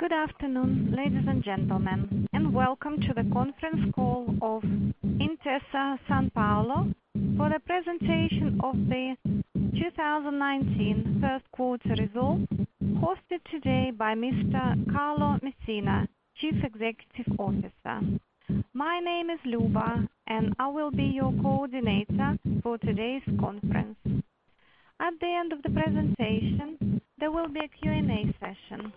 Good afternoon, ladies and gentlemen. Welcome to the conference call of Intesa Sanpaolo for the presentation of the 2019 first quarter results, hosted today by Mr. Carlo Messina, Chief Executive Officer. My name is Luba, and I will be your coordinator for today's conference. At the end of the presentation, there will be a Q&A session.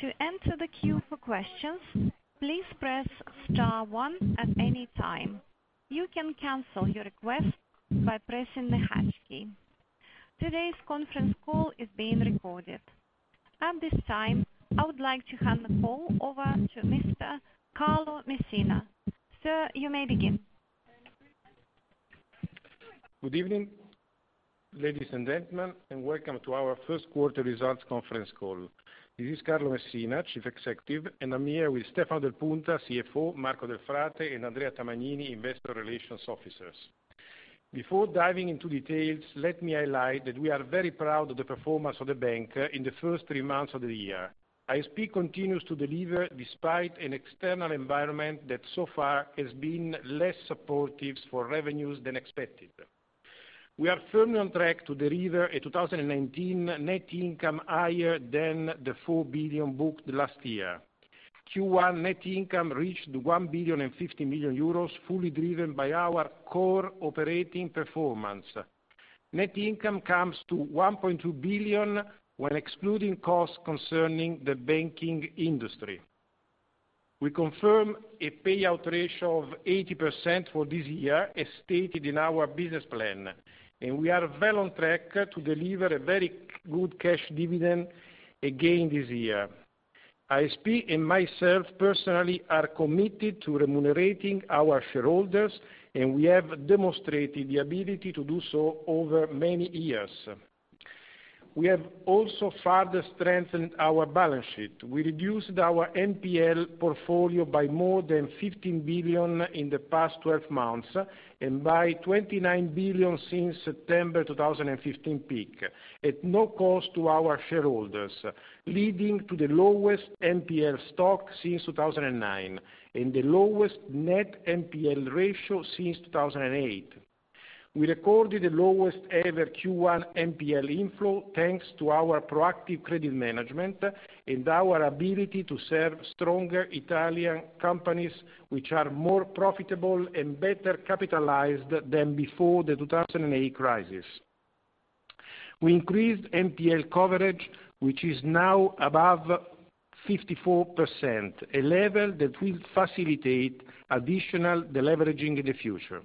To enter the queue for questions, please press star one at any time. You can cancel your request by pressing the hash key. Today's conference call is being recorded. At this time, I would like to hand the call over to Mr. Carlo Messina. Sir, you may begin. Good evening, ladies and gentlemen. Welcome to our first quarter results conference call. This is Carlo Messina, Chief Executive, and I'm here with Stefano Del Punta, CFO, Marco Delfrate, and Andrea Tamagnini, investor relations officers. Before diving into details, let me highlight that we are very proud of the performance of the bank in the first three months of the year. ISP continues to deliver despite an external environment that so far has been less supportive for revenues than expected. We are firmly on track to deliver a 2019 net income higher than the 4 billion booked last year. Q1 net income reached 1 billion and 50 million, fully driven by our core operating performance. Net income comes to 1.2 billion when excluding costs concerning the banking industry. We confirm a payout ratio of 80% for this year, as stated in our business plan. We are well on track to deliver a very good cash dividend again this year. ISP and myself personally are committed to remunerating our shareholders. We have demonstrated the ability to do so over many years. We have also further strengthened our balance sheet. We reduced our NPL portfolio by more than 15 billion in the past 12 months and by 29 billion since September 2015 peak, at no cost to our shareholders, leading to the lowest NPL stock since 2009 and the lowest net NPL ratio since 2008. We recorded the lowest-ever Q1 NPL inflow, thanks to our proactive credit management and our ability to serve stronger Italian companies, which are more profitable and better capitalized than before the 2008 crisis. We increased NPL coverage, which is now above 54%, a level that will facilitate additional deleveraging in the future.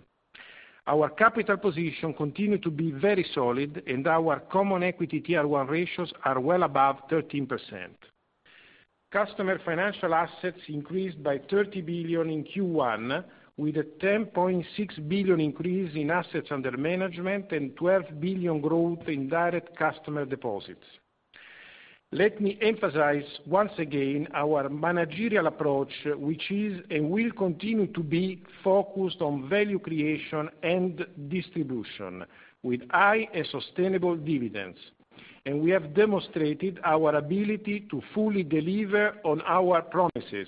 Our capital position continued to be very solid. Our Common Equity Tier 1 ratios are well above 13%. Customer financial assets increased by 30 billion in Q1, with a 10.6 billion increase in assets under management and 12 billion growth in direct customer deposits. Let me emphasize once again our managerial approach, which is and will continue to be focused on value creation and distribution, with high and sustainable dividends. We have demonstrated our ability to fully deliver on our promises,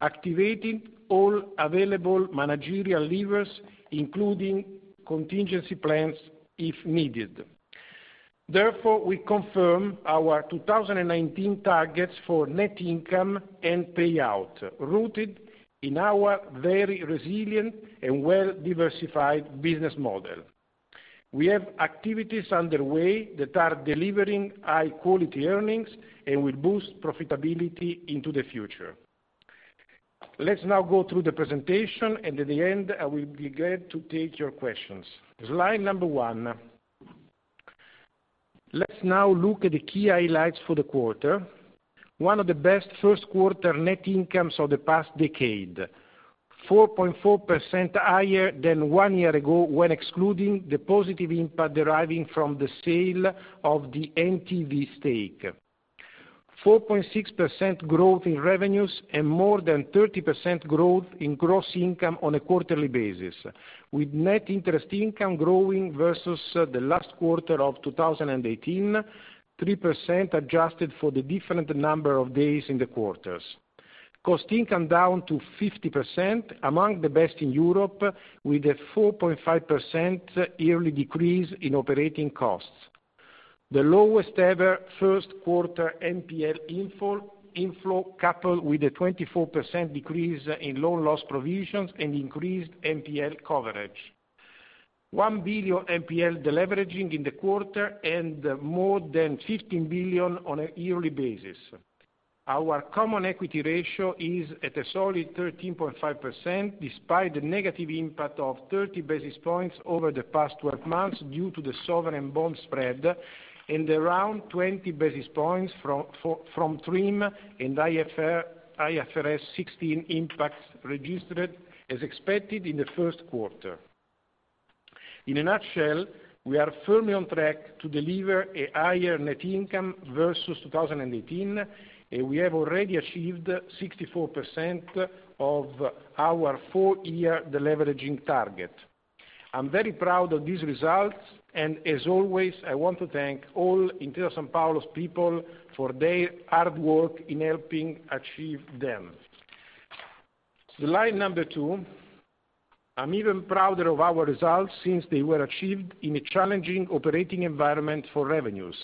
activating all available managerial levers, including contingency plans if needed. Therefore, we confirm our 2019 targets for net income and payout, rooted in our very resilient and well-diversified business model. We have activities underway that are delivering high-quality earnings and will boost profitability into the future. Let's now go through the presentation, and at the end, I will be glad to take your questions. Slide number one. Let's now look at the key highlights for the quarter. One of the best first quarter net incomes of the past decade, 4.4% higher than one year ago when excluding the positive impact deriving from the sale of the NTV stake. 4.6% growth in revenues and more than 30% growth in gross income on a quarterly basis, with net interest income growing versus the last quarter of 2018, 3% adjusted for the different number of days in the quarters. Cost income down to 50%, among the best in Europe, with a 4.5% yearly decrease in operating costs. The lowest-ever first quarter NPL inflow coupled with a 24% decrease in loan loss provisions and increased NPL coverage. 1 billion NPL deleveraging in the quarter and more than 15 billion on a yearly basis. Our common equity ratio is at a solid 13.5%, despite the negative impact of 30 basis points over the past 12 months due to the sovereign bond spread and around 20 basis points from TRIM and IFRS 16 impacts registered as expected in the first quarter. In a nutshell, we are firmly on track to deliver a higher net income versus 2018, and we have already achieved 64% of our four-year deleveraging target. I am very proud of these results, and as always, I want to thank all Intesa Sanpaolo's people for their hard work in helping achieve them. Slide number two. I am even prouder of our results since they were achieved in a challenging operating environment for revenues.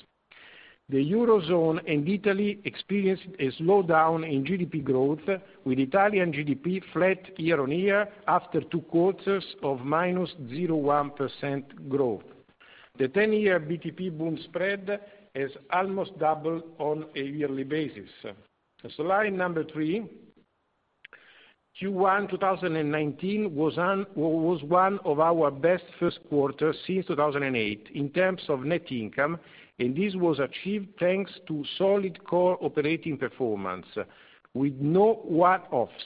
The Eurozone and Italy experienced a slowdown in GDP growth, with Italian GDP flat year-on-year after two quarters of -1% growth. The 10-year BTP bund spread has almost doubled on a yearly basis. Slide number three. Q1 2019 was one of our best first quarters since 2008 in terms of net income, and this was achieved thanks to solid core operating performance with no one-offs.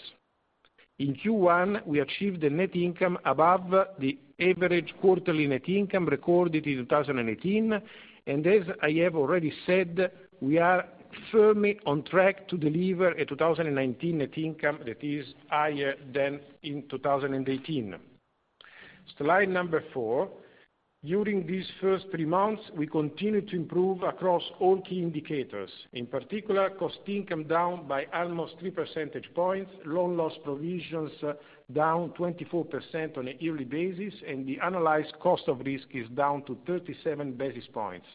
In Q1, we achieved a net income above the average quarterly net income recorded in 2018, and as I have already said, we are firmly on track to deliver a 2019 net income that is higher than in 2018. Slide number four. During these first three months, we continued to improve across all key indicators. In particular, Cost income down by almost 3 percentage points, loan loss provisions down 24% on a yearly basis, and the analyzed cost of risk is down to 37 basis points.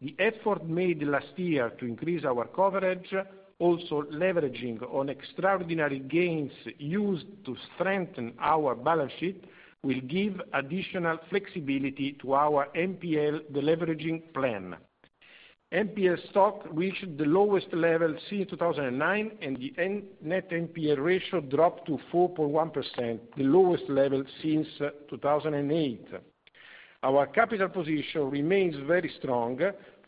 The effort made last year to increase our coverage, also leveraging on extraordinary gains used to strengthen our balance sheet, will give additional flexibility to our NPL deleveraging plan. NPL stock reached the lowest level since 2009, and the net NPL ratio dropped to 4.1%, the lowest level since 2008. Our capital position remains very strong,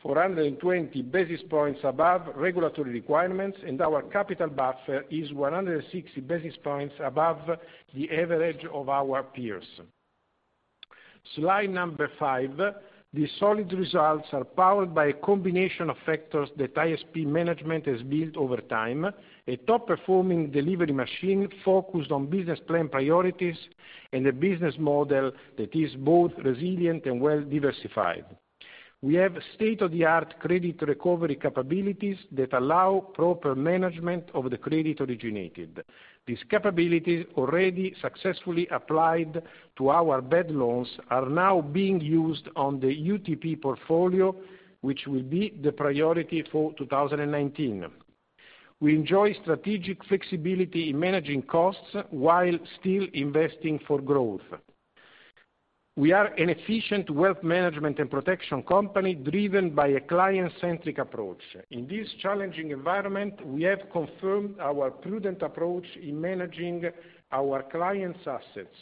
420 basis points above regulatory requirements, and our capital buffer is 160 basis points above the average of our peers. Slide number five. The solid results are powered by a combination of factors that ISP management has built over time, a top-performing delivery machine focused on business plan priorities, and a business model that is both resilient and well-diversified. We have state-of-the-art credit recovery capabilities that allow proper management of the credit originated. These capabilities, already successfully applied to our bad loans, are now being used on the UTP portfolio, which will be the priority for 2019. We enjoy strategic flexibility in managing costs while still investing for growth. We are an efficient wealth management and protection company driven by a client-centric approach. In this challenging environment, we have confirmed our prudent approach in managing our clients' assets.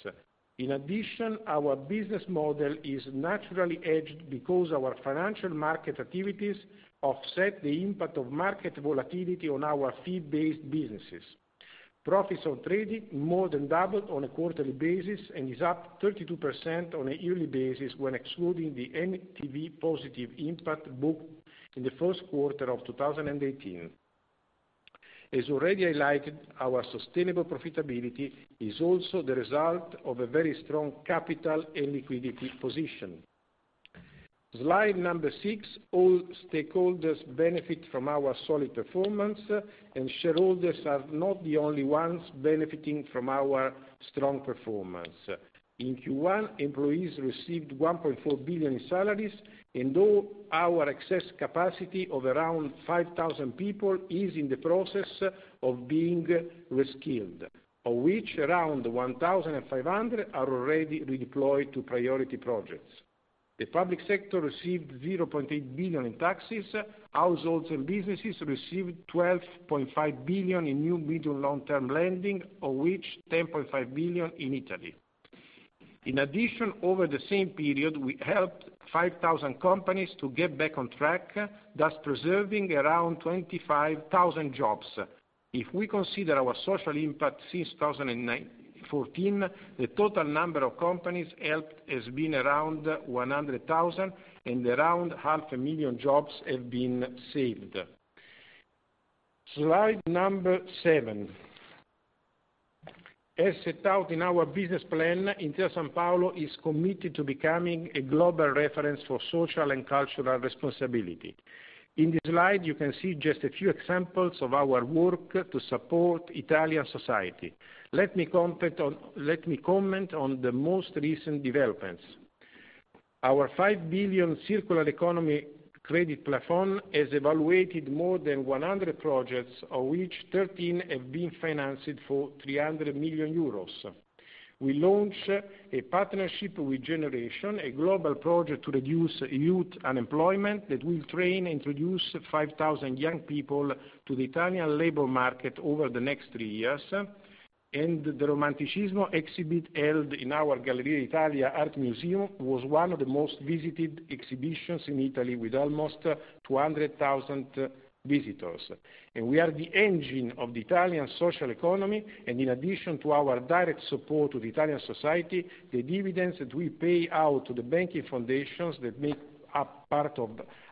In addition, our business model is naturally edged because our financial market activities offset the impact of market volatility on our fee-based businesses. Profits on trading more than doubled on a quarterly basis and is up 32% on a yearly basis when excluding the NTV positive impact booked in the first quarter of 2018. As already highlighted, our sustainable profitability is also the result of a very strong capital and liquidity position. Slide number six. All stakeholders benefit from our solid performance, and shareholders are not the only ones benefiting from our strong performance. In Q1, employees received 1.4 billion in salaries, and all our excess capacity of around 5,000 people is in the process of being reskilled, of which around 1,500 are already redeployed to priority projects. The public sector received 0.8 billion in taxes. Households and businesses received 12.5 billion in new middle- and long-term lending, of which 10.5 billion in Italy. In addition, over the same period, we helped 5,000 companies to get back on track, thus preserving around 25,000 jobs. If we consider our social impact since 2014, the total number of companies helped has been around 100,000 and around half a million jobs have been saved. Slide number seven. As set out in our business plan, Intesa Sanpaolo is committed to becoming a global reference for social and cultural responsibility. In this slide, you can see just a few examples of our work to support Italian society. Let me comment on the most recent developments. Our 5 billion circular economy credit plafond has evaluated more than 100 projects, of which 13 have been financed for 300 million euros. We launched a partnership with Generation, a global project to reduce youth unemployment that will train and introduce 5,000 young people to the Italian labor market over the next three years, and the Romanticismo exhibit held in our Gallerie d'Italia Art Museum was one of the most visited exhibitions in Italy, with almost 200,000 visitors. We are the engine of the Italian social economy, and in addition to our direct support to the Italian society, the dividends that we pay out to the banking foundations that make up part of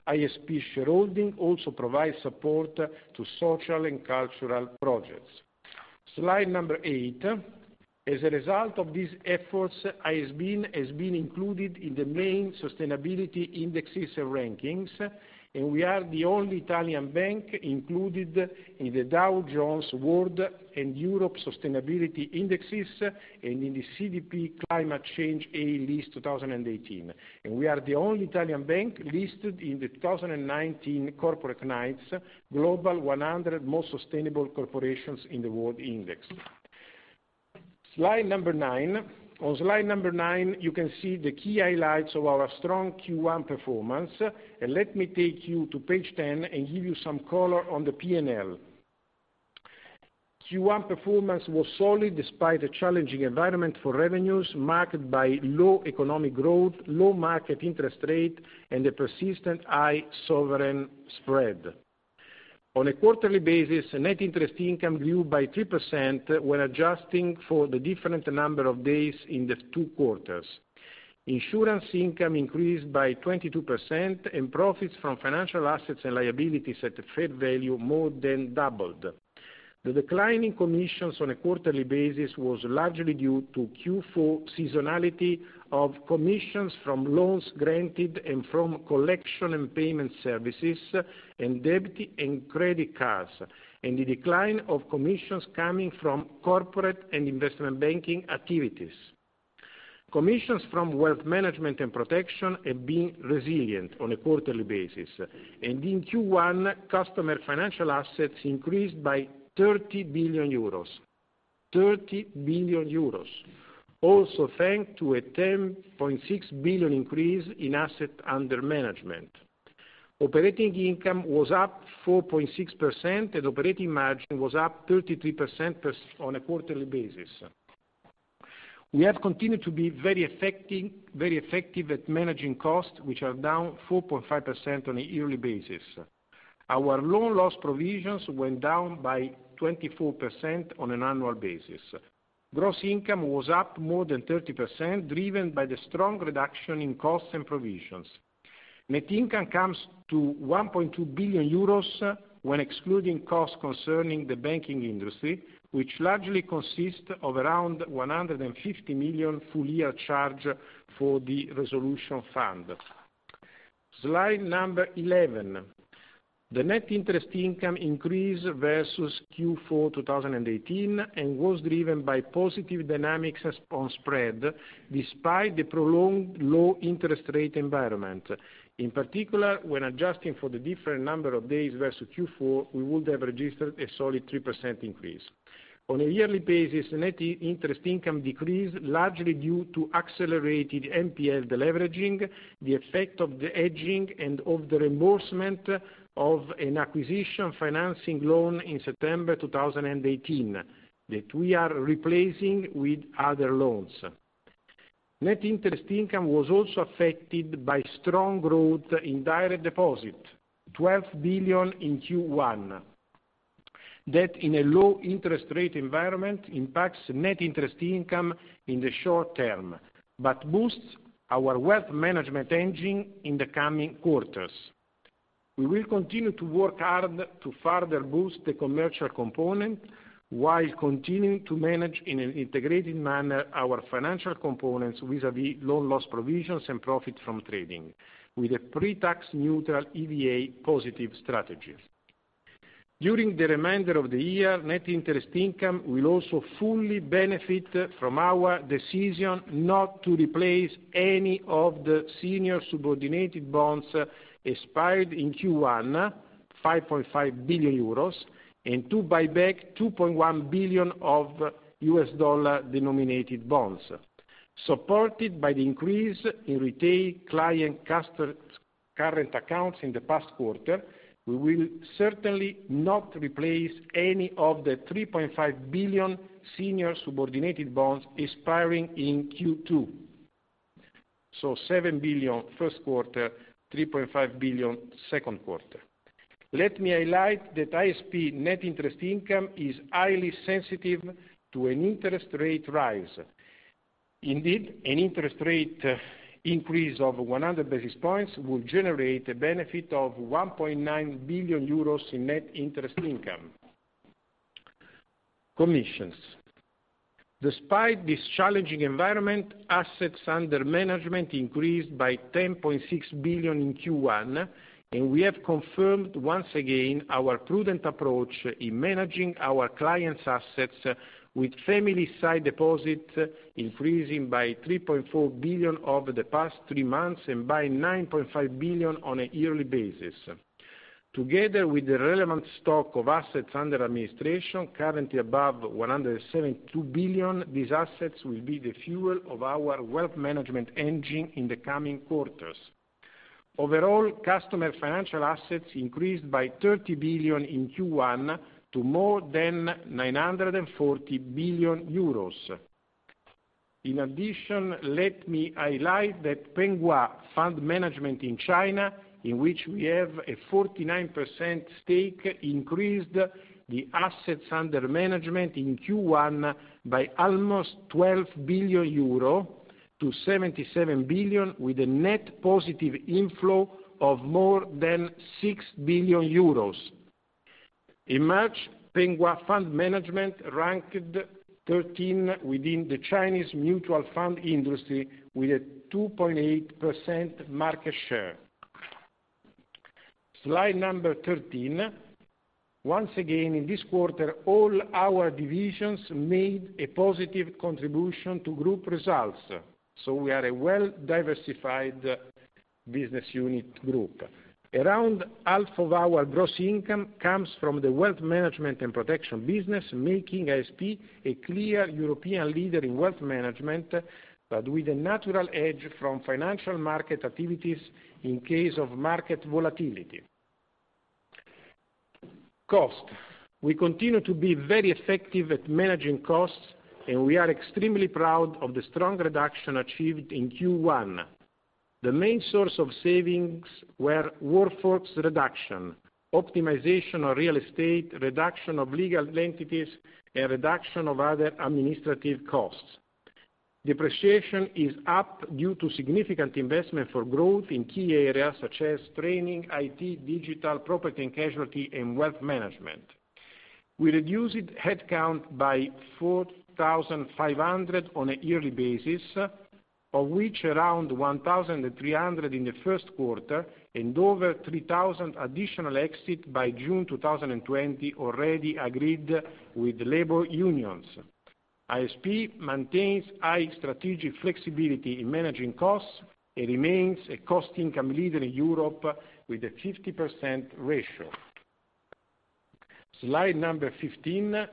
ISP shareholding also provide support to social and cultural projects. Slide number eight. As a result of these efforts, ISP has been included in the main sustainability indexes rankings, and we are the only Italian bank included in the Dow Jones Sustainability World and Europe Indexes and in the CDP Climate Change A List 2018. We are the only Italian bank listed in the 2019 Corporate Knights Global 100 Most Sustainable Corporations in the World Index. Slide number nine. On slide number nine, you can see the key highlights of our strong Q1 performance. Let me take you to page 10 and give you some color on the P&L. Q1 performance was solid despite a challenging environment for revenues marked by low economic growth, low market interest rate, and a persistent high sovereign spread. On a quarterly basis, net interest income grew by 3% when adjusting for the different number of days in the two quarters. Insurance income increased by 22%, and profits from financial assets and liabilities at fair value more than doubled. The decline in commissions on a quarterly basis was largely due to Q4 seasonality of commissions from loans granted and from collection and payment services and debit and credit cards, and the decline of commissions coming from corporate and investment banking activities. Commissions from wealth management and protection have been resilient on a quarterly basis, and in Q1, customer financial assets increased by 30 billion euros. 30 billion euros. Also, thanks to a 10.6 billion increase in assets under management. Operating income was up 4.6%, and operating margin was up 33% on a quarterly basis. We have continued to be very effective at managing costs, which are down 4.5% on a yearly basis. Our loan loss provisions went down by 24% on an annual basis. Gross income was up more than 30%, driven by the strong reduction in costs and provisions. Net income comes to 1.2 billion euros when excluding costs concerning the banking industry, which largely consists of around 150 million full-year charge for the Single Resolution Fund. Slide number 11. The net interest income increased versus Q4 2018 and was driven by positive dynamics on spread, despite the prolonged low interest rate environment. In particular, when adjusting for the different number of days versus Q4, we would have registered a solid 3% increase. On a yearly basis, net interest income decreased, largely due to accelerated NPL deleveraging, the effect of the hedging and of the reimbursement of an acquisition financing loan in September 2018 that we are replacing with other loans. Net interest income was also affected by strong growth in direct deposit, 12 billion in Q1. That, in a low interest rate environment, impacts net interest income in the short term, but boosts our wealth management engine in the coming quarters. We will continue to work hard to further boost the commercial component while continuing to manage in an integrated manner our financial components vis-à-vis loan loss provisions and profit from trading, with a pre-tax neutral EVA positive strategy. During the remainder of the year, net interest income will also fully benefit from our decision not to replace any of the senior subordinated bonds expired in Q1, 5.5 billion euros, and to buy back $2.1 billion of US dollar-denominated bonds. Supported by the increase in retail client current accounts in the past quarter, we will certainly not replace any of the 3.5 billion senior subordinated bonds expiring in Q2. So 7 billion first quarter, 3.5 billion second quarter. Let me highlight that ISP net interest income is highly sensitive to an interest rate rise. Indeed, an interest rate increase of 100 basis points would generate a benefit of 1.9 billion euros in net interest income. Commissions. Despite this challenging environment, assets under management increased by 10.6 billion in Q1, and we have confirmed once again our prudent approach in managing our clients' assets, with family side deposits increasing by 3.4 billion over the past three months and by 9.5 billion on a yearly basis. Together with the relevant stock of assets under administration, currently above 172 billion, these assets will be the fuel of our wealth management engine in the coming quarters. Overall, customer financial assets increased by 30 billion in Q1 to more than 940 billion euros. In addition, let me highlight that Penghua Fund Management in China, in which we have a 49% stake, increased the assets under management in Q1 by almost 12 billion euro to 77 billion, with a net positive inflow of more than 6 billion euros. In March, Penghua Fund Management ranked 13th within the Chinese mutual fund industry with a 2.8% market share. Slide number 13. Once again, in this quarter, all our divisions made a positive contribution to group results. We are a well-diversified business unit group. Around half of our gross income comes from the wealth management and protection business, making ISP a clear European leader in wealth management, but with a natural edge from financial market activities in case of market volatility. We continue to be very effective at managing costs, and we are extremely proud of the strong reduction achieved in Q1. The main source of savings were workforce reduction, optimization of real estate, reduction of legal entities, and reduction of other administrative costs. Depreciation is up due to significant investment for growth in key areas such as training, IT, digital, property and casualty, and wealth management. We reduced headcount by 4,500 on a yearly basis, of which around 1,300 in the first quarter, and over 3,000 additional exits by June 2020 already agreed with labor unions. ISP maintains high strategic flexibility in managing costs and remains a cost-income leader in Europe with a 50% ratio. Slide number 15.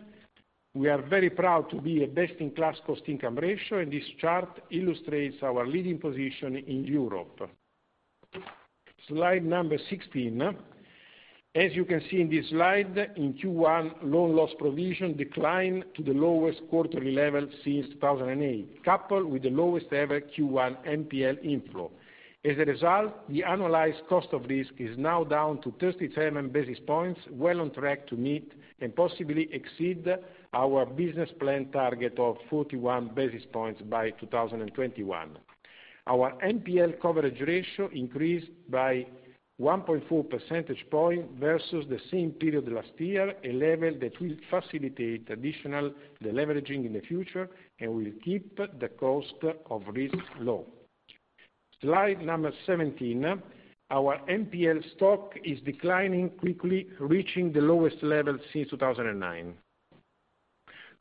We are very proud to be a best-in-class cost-income ratio, and this chart illustrates our leading position in Europe. Slide number 16. As you can see in this slide, in Q1, loan loss provision declined to the lowest quarterly level since 2008, coupled with the lowest ever Q1 NPL inflow. As a result, the analyzed cost of risk is now down to 37 basis points, well on track to meet and possibly exceed our business plan target of 41 basis points by 2021. Our NPL coverage ratio increased by 1.4 percentage points versus the same period last year, a level that will facilitate additional deleveraging in the future and will keep the cost of risk low. Slide number 17. Our NPL stock is declining quickly, reaching the lowest level since 2009.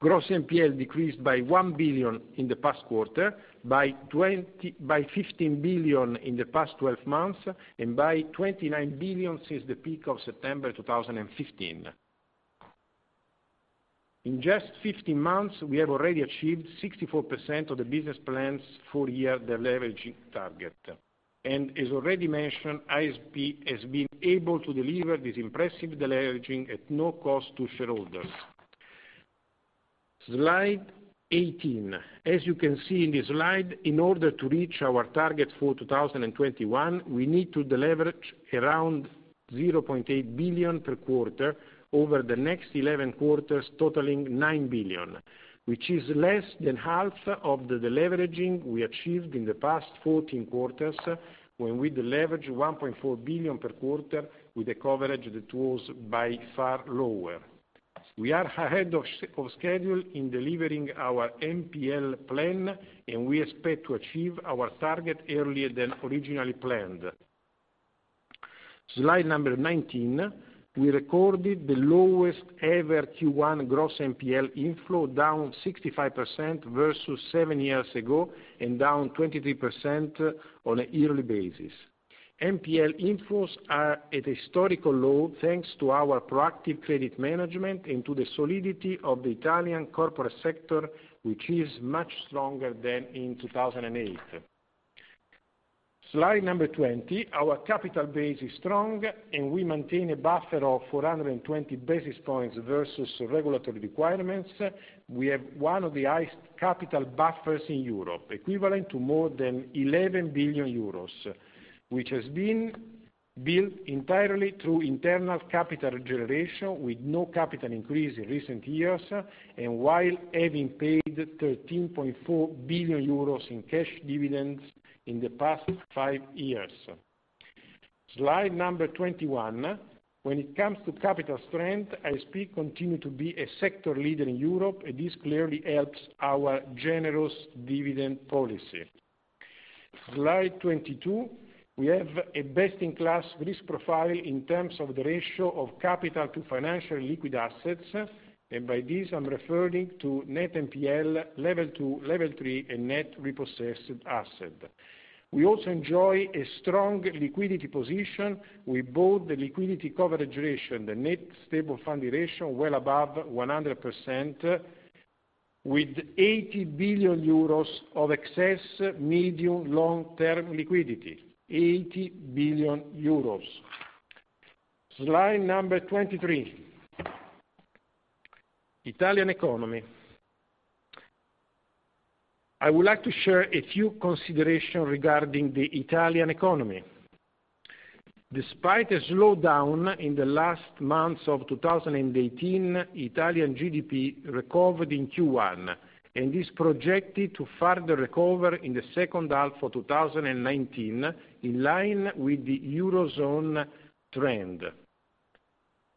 Gross NPL decreased by 1 billion in the past quarter, by 15 billion in the past 12 months, and by 29 billion since the peak of September 2015. In just 15 months, we have already achieved 64% of the business plan's four-year deleveraging target. As already mentioned, ISP has been able to deliver this impressive deleveraging at no cost to shareholders. Slide 18. As you can see in this slide, in order to reach our target for 2021, we need to deleverage around 0.8 billion per quarter over the next 11 quarters, totaling 9 billion, which is less than half of the deleveraging we achieved in the past 14 quarters, when we deleveraged 1.4 billion per quarter with a coverage that was by far lower. We are ahead of schedule in delivering our NPL plan, and we expect to achieve our target earlier than originally planned. Slide number 19. We recorded the lowest ever Q1 gross NPL inflow, down 65% versus seven years ago and down 23% on a yearly basis. NPL inflows are at a historical low, thanks to our proactive credit management and to the solidity of the Italian corporate sector, which is much stronger than in 2008. Slide number 20. Our capital base is strong. We maintain a buffer of 420 basis points versus regulatory requirements. We have one of the highest capital buffers in Europe, equivalent to more than 11 billion euros, which has been built entirely through internal capital generation with no capital increase in recent years and while having paid 13.4 billion euros in cash dividends in the past five years. Slide number 21. When it comes to capital strength, ISP continue to be a sector leader in Europe. This clearly helps our generous dividend policy. Slide 22. We have a best-in-class risk profile in terms of the ratio of capital to financial liquid assets, and by this, I'm referring to net NPL, Level 2, Level 3, and net repossessed asset. We also enjoy a strong liquidity position with both the Liquidity Coverage Ratio and the Net Stable Funding Ratio well above 100%, with 80 billion euros of excess medium long-term liquidity. 80 billion euros. Slide number 23. Italian economy. I would like to share a few considerations regarding the Italian economy. Despite a slowdown in the last months of 2018, Italian GDP recovered in Q1 and is projected to further recover in the second half of 2019, in line with the Eurozone trend.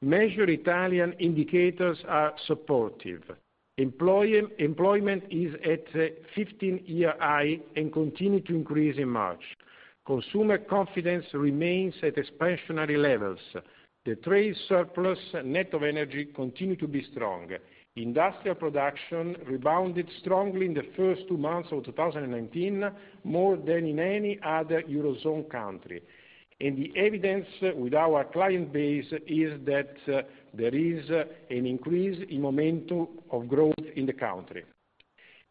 Major Italian indicators are supportive. Employment is at a 15-year high and continued to increase in March. Consumer confidence remains at expansionary levels. The trade surplus net of energy continued to be strong. Industrial production rebounded strongly in the first two months of 2019, more than in any other Eurozone country. The evidence with our client base is that there is an increase in momentum of growth in the country.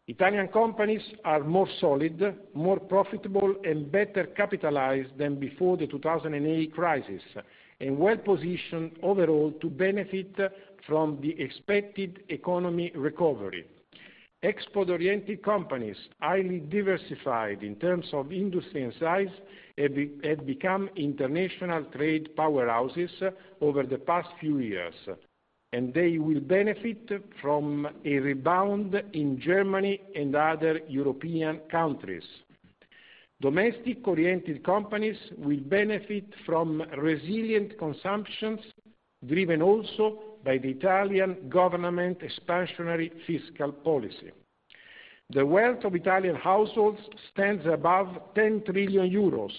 Italian companies are more solid, more profitable, and better capitalized than before the 2008 crisis, and well-positioned overall to benefit from the expected economy recovery. Export-oriented companies, highly diversified in terms of industry and size, have become international trade powerhouses over the past few years. They will benefit from a rebound in Germany and other European countries. Domestic-oriented companies will benefit from resilient consumptions, driven also by the Italian government expansionary fiscal policy. The wealth of Italian households stands above 10 trillion euros,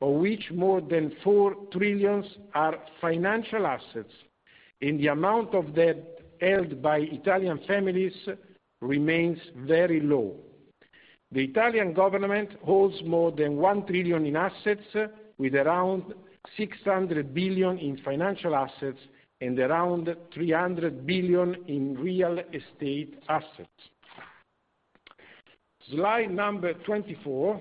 of which more than 4 trillion are financial assets. The amount of debt held by Italian families remains very low. The Italian government holds more than 1 trillion in assets, with around 600 billion in financial assets and around 300 billion in real estate assets. Slide number 24.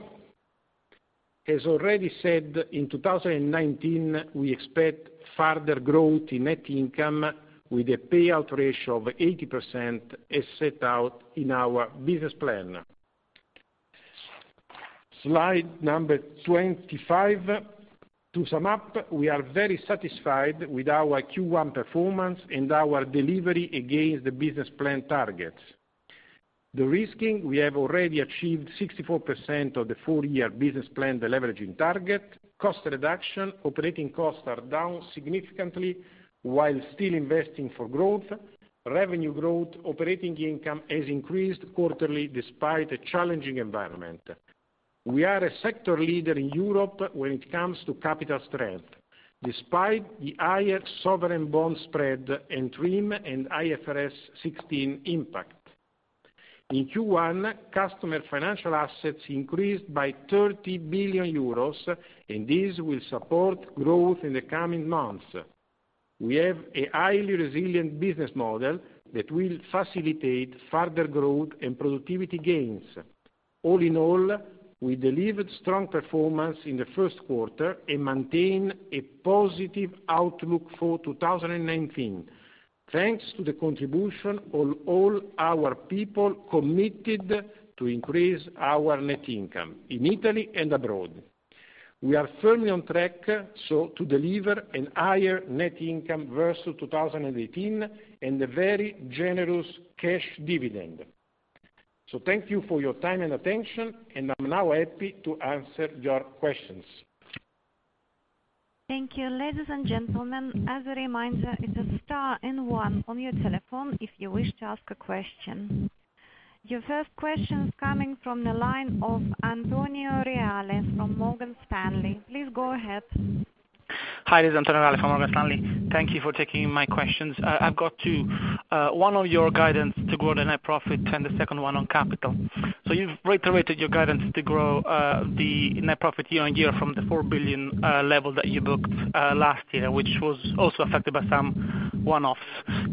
As already said, in 2019, we expect further growth in net income with a payout ratio of 80% as set out in our business plan. Slide number 25. To sum up, we are very satisfied with our Q1 performance and our delivery against the business plan targets. De-risking, we have already achieved 64% of the four-year business plan deleveraging target. Cost reduction, operating costs are down significantly while still investing for growth. Revenue growth, operating income has increased quarterly despite a challenging environment. We are a sector leader in Europe when it comes to capital strength, despite the higher sovereign bond spread and TRIM and IFRS 16 impact. In Q1, customer financial assets increased by 30 billion euros, and this will support growth in the coming months. We have a highly resilient business model that will facilitate further growth and productivity gains. All in all, we delivered strong performance in the first quarter and maintain a positive outlook for 2019, thanks to the contribution of all our people committed to increase our net income, in Italy and abroad. We are firmly on track to deliver a higher net income versus 2018 and a very generous cash dividend. Thank you for your time and attention, and I'm now happy to answer your questions. Thank you. Ladies and gentlemen, as a reminder, it is star and one on your telephone if you wish to ask a question. Your first question is coming from the line of Antonio Reale from Morgan Stanley. Please go ahead. Hi, this is Antonio Reale from Morgan Stanley. Thank you for taking my questions. I've got two. One on your guidance to grow the net profit, and the second one on capital. You've reiterated your guidance to grow the net profit year-on-year from the 4 billion level that you booked last year, which was also affected by some one-offs.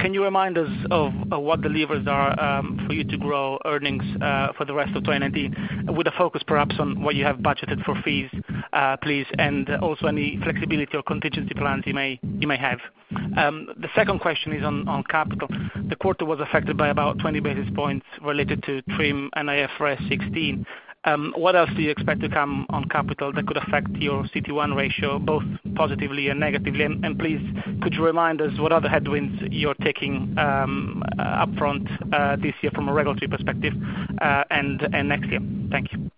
Can you remind us of what the levers are for you to grow earnings for the rest of 2019, with a focus perhaps on what you have budgeted for fees, please, and also any flexibility or contingency plans you may have? The second question is on capital. The quarter was affected by about 20 basis points related to TRIM and IFRS 16. What else do you expect to come on capital that could affect your CET1 ratio, both positively and negatively? Please, could you remind us what other headwinds you're taking upfront this year from a regulatory perspective and next year? Thank you.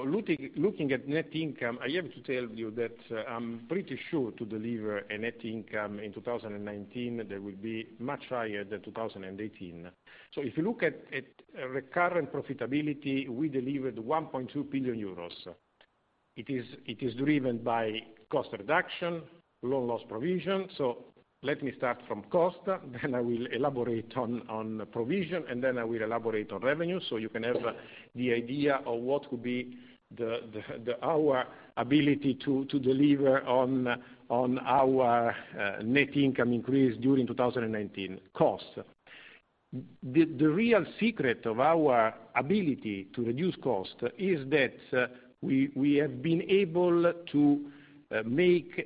Looking at net income, I have to tell you that I'm pretty sure to deliver a net income in 2019 that will be much higher than 2018. If you look at recurrent profitability, we delivered 1.2 billion euros. It is driven by cost reduction, loan loss provision. Let me start from cost, then I will elaborate on provision, then I will elaborate on revenue, you can have the idea of what could be our ability to deliver on our net income increase during 2019. Cost. The real secret of our ability to reduce cost is that we have been able to make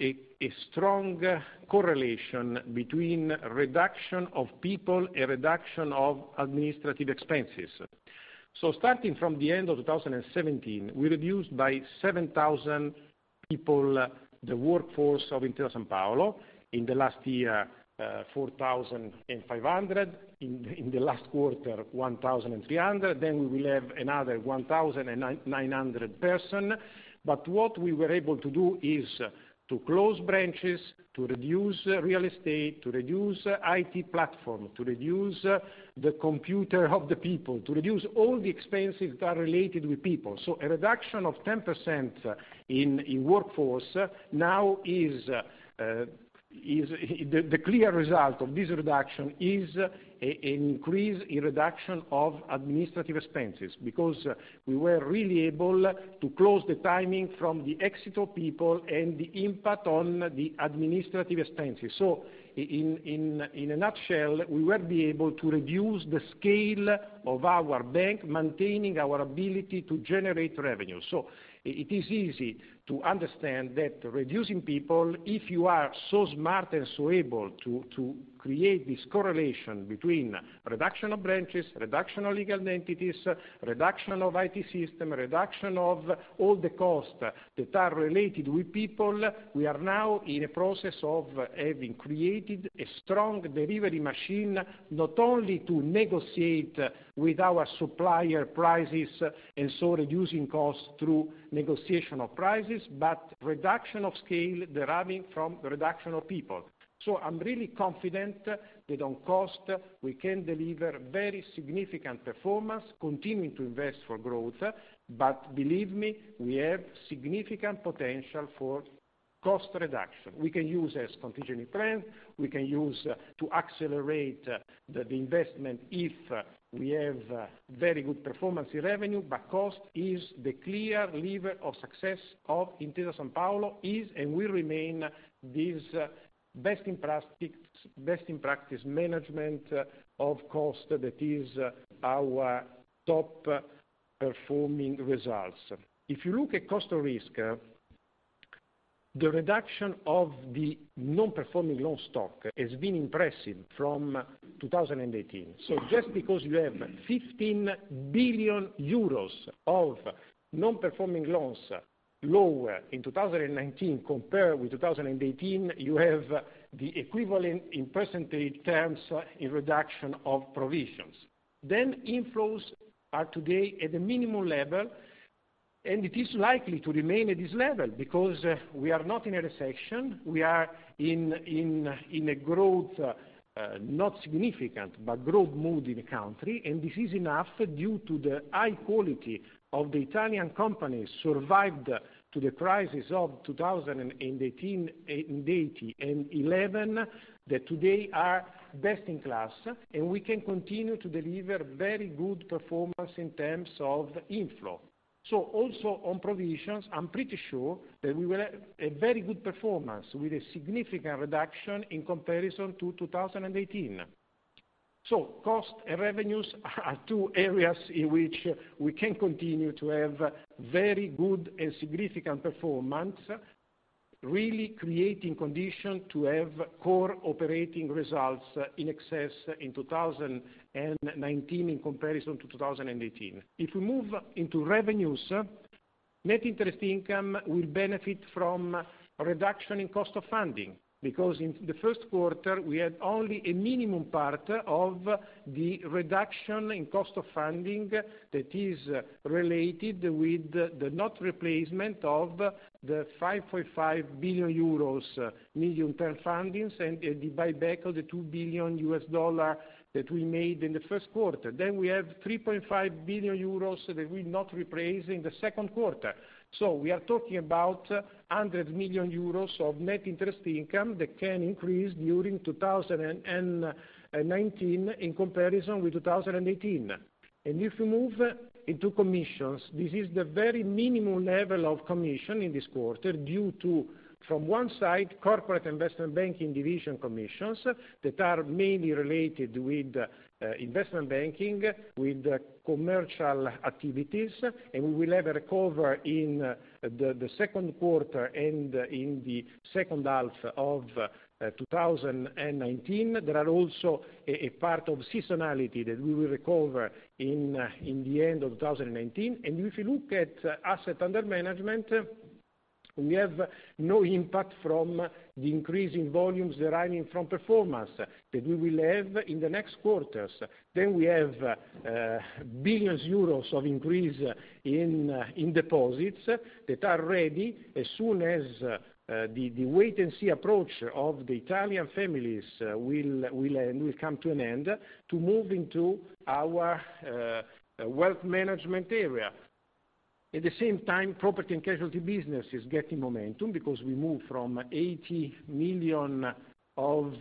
a strong correlation between reduction of people and reduction of administrative expenses. Starting from the end of 2017, we reduced by 7,000 people, the workforce of Intesa Sanpaolo. In the last year, 4,500, in the last quarter, 1,300, we will have another 1,900 person. What we were able to do is to close branches, to reduce real estate, to reduce IT platform, to reduce the computer of the people, to reduce all the expenses that are related with people. A reduction of 10% in workforce, the clear result of this reduction is an increase in reduction of administrative expenses, because we were really able to close the timing from the exit of people and the impact on the administrative expenses. In a nutshell, we will be able to reduce the scale of our bank, maintaining our ability to generate revenue. It is easy to understand that reducing people, if you are so smart and so able to create this correlation between reduction of branches, reduction of legal entities, reduction of IT system, reduction of all the costs that are related with people, we are now in a process of having created a strong delivery machine, not only to negotiate with our supplier prices, reducing costs through negotiation of prices, but reduction of scale deriving from reduction of people. I'm really confident that on cost, we can deliver very significant performance, continuing to invest for growth. Believe me, we have significant potential for cost reduction. We can use as contingency plan. We can use to accelerate the investment if we have very good performance in revenue, cost is the clear lever of success of Intesa Sanpaolo, is and will remain this best in practice management of cost that is our top-performing results. If you look at cost of risk, the reduction of the non-performing loan stock has been impressive from 2018. Just because you have 15 billion euros of non-performing loans lower in 2019 compared with 2018, you have the equivalent in percentage terms in reduction of provisions. Inflows are today at a minimal level, and it is likely to remain at this level because we are not in a recession. We are in a growth, not significant, but growth mood in the country. This is enough due to the high quality of the Italian companies survived to the crisis of 2018 and 2011, that today are best in class, and we can continue to deliver very good performance in terms of inflow. Also on provisions, I'm pretty sure that we will have a very good performance with a significant reduction in comparison to 2018. Cost and revenues are two areas in which we can continue to have very good and significant performance, really creating condition to have core operating results in excess in 2019 in comparison to 2018. If we move into revenues, net interest income will benefit from a reduction in cost of funding, because in the first quarter, we had only a minimum part of the reduction in cost of funding that is related with the not replacement of the 5.5 billion euros medium-term fundings, and the buyback of the $2 billion that we made in the first quarter. We have 3.5 billion euros that we'll not replace in the second quarter. We are talking about 100 million euros of net interest income that can increase during 2019 in comparison with 2018. If you move into commissions, this is the very minimal level of commission in this quarter due to, from one side, Corporate Investment Banking division commissions that are mainly related with investment banking, with commercial activities, and we will have a recover in the second quarter and in the second half of 2019. There are also a part of seasonality that we will recover in the end of 2019. If you look at asset under management, we have no impact from the increase in volumes deriving from performance that we will have in the next quarters. We have billions EUR of increase in deposits that are ready as soon as the wait-and-see approach of the Italian families will come to an end to move into our wealth management area. At the same time, property and casualty business is getting momentum because we move from 80 million of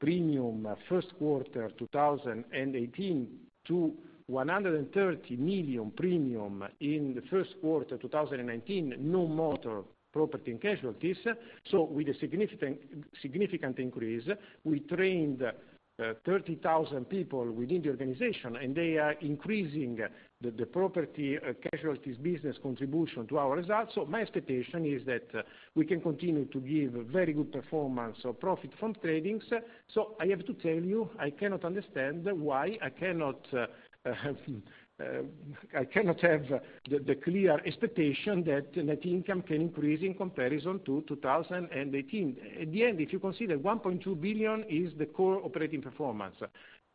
premium first quarter 2018 to 130 million premium in the first quarter 2019, no motor, property and casualty. With a significant increase, we trained 30,000 people within the organization, and they are increasing the property and casualty business contribution to our results. My expectation is that we can continue to give very good performance of profit from trading. I have to tell you, I cannot understand why I cannot have the clear expectation that net income can increase in comparison to 2018. At the end, if you consider 1.2 billion is the core operating performance,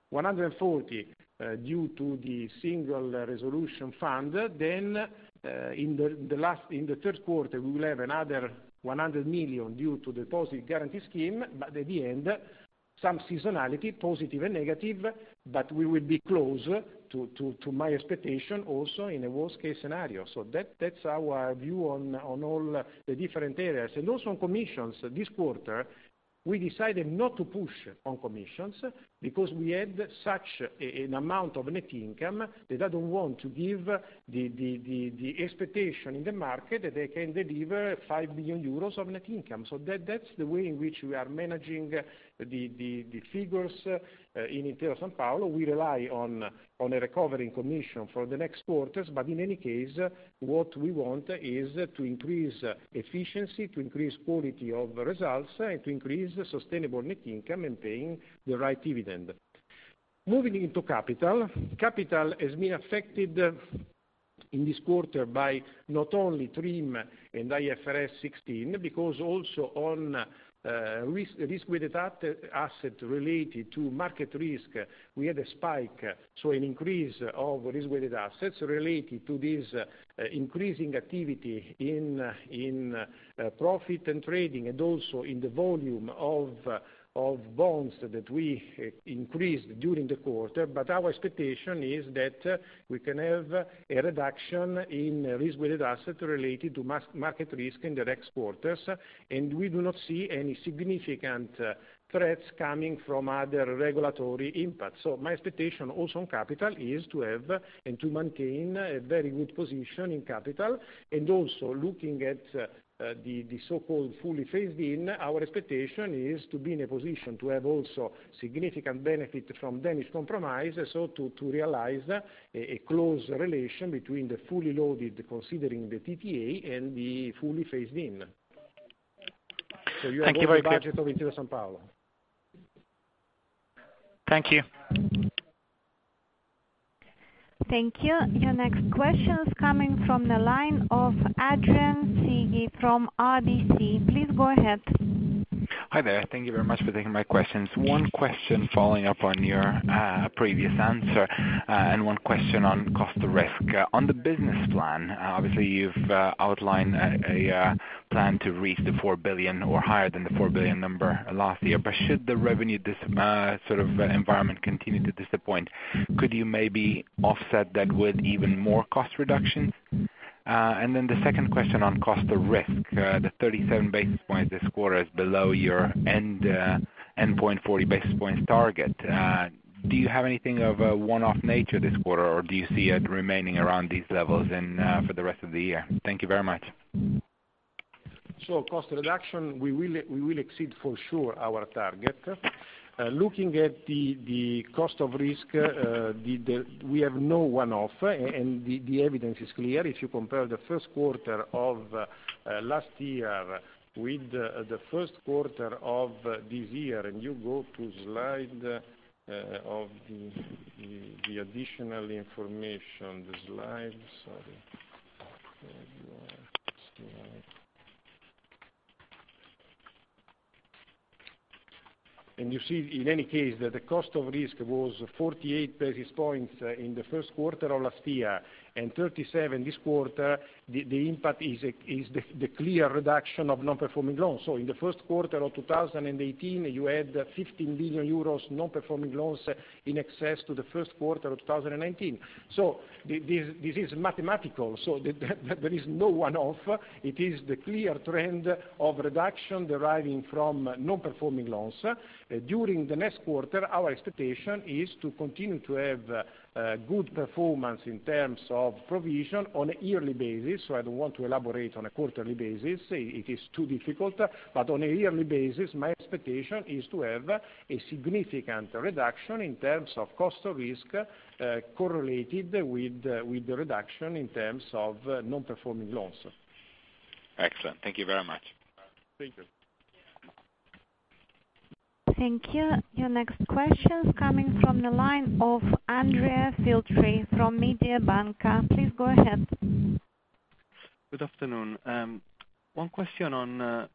140 million due to the Single Resolution Fund, in the third quarter, we will have another 100 million due to Deposit Guarantee Scheme. At the end, some seasonality, positive and negative, we will be close to my expectation also in a worst case scenario. That's our view on all the different areas. Also on commissions, this quarter, we decided not to push on commissions because we had such an amount of net income that I don't want to give the expectation in the market that they can deliver 5 billion euros of net income. That's the way in which we are managing the figures in Intesa Sanpaolo. We rely on a recovery commission for the next quarters, in any case, what we want is to increase efficiency, to increase quality of results, and to increase sustainable net income and paying the right dividend. Moving into capital. Capital has been affected in this quarter by not only TRIM and IFRS 16, because also on risk-weighted asset related to market risk, we had a spike, an increase of risk-weighted assets related to this increasing activity in profit from trading, and also in the volume of bonds that we increased during the quarter. Our expectation is that we can have a reduction in risk-weighted asset related to market risk in the next quarters, and we do not see any significant threats coming from other regulatory impacts. My expectation also on capital is to have and to maintain a very good position in capital. Also looking at the so-called fully phased-in, our expectation is to be in a position to have also significant benefit from Danish compromise. To realize a close relation between the fully loaded, considering the PPA, and the fully phased-in. Thank you very much. You have all the budget of Intesa Sanpaolo. Thank you. Thank you. Your next question is coming from the line of Adrian Cighi from RBC. Please go ahead. Hi there. Thank you very much for taking my questions. One question following up on your previous answer, and one question on cost risk. On the business plan, obviously you've outlined a plan to reach the 4 billion or higher than the 4 billion number last year. Should the revenue sort of environment continue to disappoint, could you maybe offset that with even more cost reductions? Then the second question on cost risk, the 37 basis points this quarter is below your endpoint 40 basis points target. Do you have anything of a one-off nature this quarter, or do you see it remaining around these levels for the rest of the year? Thank you very much. Cost reduction, we will exceed for sure our target. Looking at the cost of risk, we have no one-off, and the evidence is clear. If you compare the first quarter of last year with the first quarter of this year, you go to slide of the additional information. The slide, sorry. There you are, slide. You see in any case that the cost of risk was 48 basis points in the first quarter of last year, and 37 this quarter. The impact is the clear reduction of non-performing loans. In the first quarter of 2018, you had 15 billion euros non-performing loans in excess to the first quarter of 2019. This is mathematical. There is no one-off. It is the clear trend of reduction deriving from non-performing loans. During the next quarter, our expectation is to continue to have good performance in terms of provision on a yearly basis. I don't want to elaborate on a quarterly basis. It is too difficult. On a yearly basis, my expectation is to have a significant reduction in terms of cost of risk correlated with the reduction in terms of non-performing loans. Excellent. Thank you very much. Thank you. Thank you. Your next question is coming from the line of Andrea Filtri from Mediobanca. Please go ahead. Good afternoon. One question on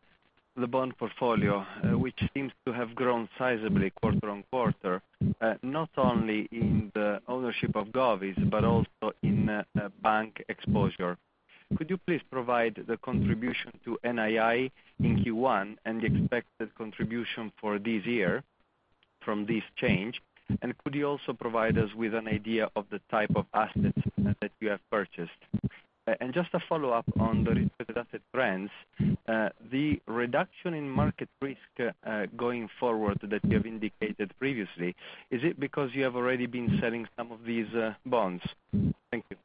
the bond portfolio, which seems to have grown sizably quarter on quarter, not only in the ownership of govies but also in bank exposure. Could you please provide the contribution to NII in Q1 and the expected contribution for this year from this change? Could you also provide us with an idea of the type of assets that you have purchased? Just a follow-up on the risk-weighted asset trends, the reduction in market risk, going forward that you have indicated previously, is it because you have already been selling some of these bonds? Thank you.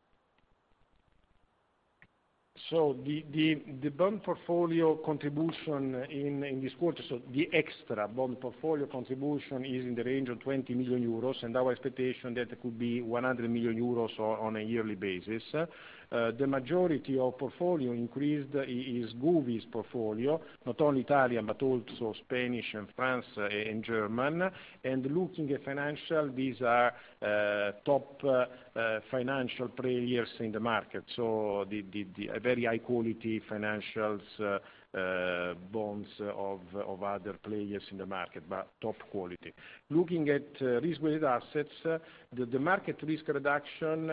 The bond portfolio contribution in this quarter, the extra bond portfolio contribution, is in the range of 20 million euros. Our expectation that could be 100 million euros on a yearly basis. The majority of portfolio increased is govies portfolio, not only Italian, but also Spanish and France and German. Looking at financial, these are top financial players in the market. Very high-quality financials bonds of other players in the market, but top quality. Looking at risk-weighted assets, the market risk reduction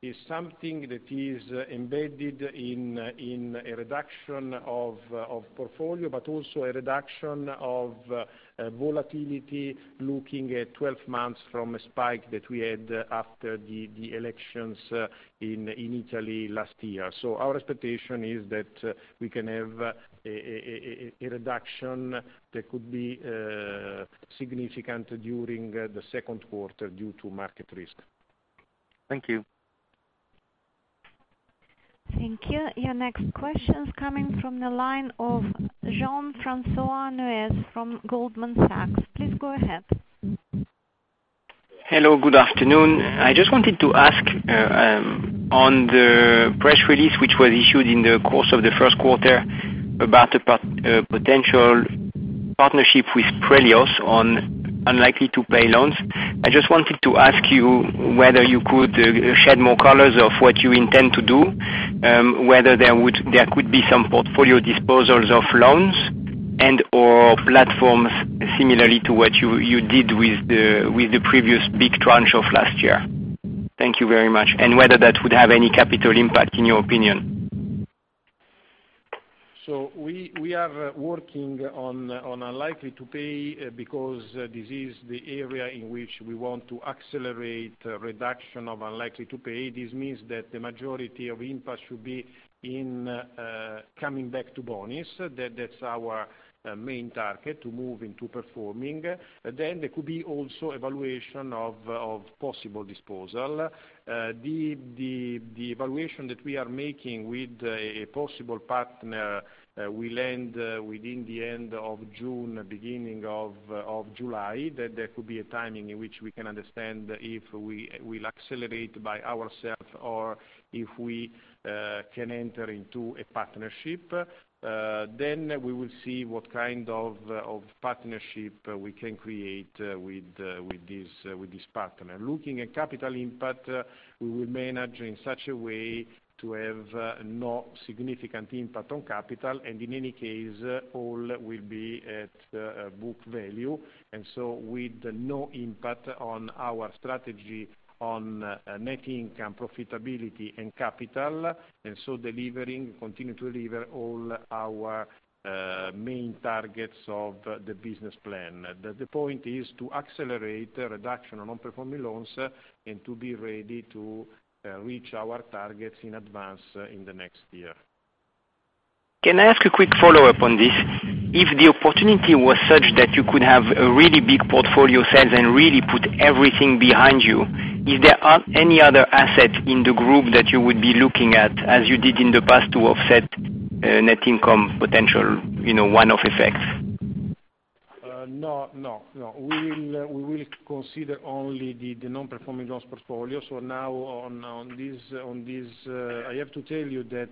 is something that is embedded in a reduction of portfolio, but also a reduction of volatility looking at 12 months from a spike that we had after the elections in Italy last year. Our expectation is that we can have a reduction that could be significant during the second quarter due to market risk. Thank you. Thank you. Your next question is coming from the line of Jean-Francois Neuez from Goldman Sachs. Please go ahead. Hello. Good afternoon. I just wanted to ask on the press release, which was issued in the course of the first quarter about a potential partnership with Prelios on unlikely to pay loans. I just wanted to ask you whether you could shed more colors of what you intend to do, whether there could be some portfolio disposals of loans and/or platforms similarly to what you did with the previous big tranche of last year. Thank you very much. Whether that would have any capital impact, in your opinion. We are working on unlikely to pay because this is the area in which we want to accelerate reduction of unlikely to pay. This means that the majority of impact should be in coming back to in bonis. That's our main target, to move into performing. There could be also evaluation of possible disposal. The evaluation that we are making with a possible partner will end within the end of June, beginning of July. That could be a timing in which we can understand if we will accelerate by ourselves or if we can enter into a partnership. We will see what kind of partnership we can create with this partner. Looking at capital impact, we will manage in such a way to have no significant impact on capital, in any case, all will be at book value. With no impact on our strategy on net income profitability and capital. Continue to deliver all our main targets of the business plan. The point is to accelerate the reduction on non-performing loans and to be ready to reach our targets in advance in the next year. Can I ask a quick follow-up on this? If the opportunity was such that you could have a really big portfolio sale and really put everything behind you, is there any other asset in the group that you would be looking at, as you did in the past, to offset net income potential, one-off effects? No. We will consider only the non-performing loans portfolio. Now on this, I have to tell you that